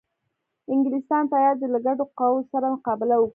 انګلیسیان تیار دي له ګډو قواوو سره مقابله وکړي.